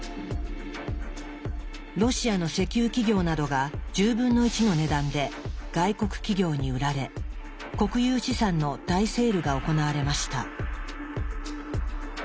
ロシアの石油企業などが１０分の１の値段で外国企業に売られ国有資産の大セールが行われました。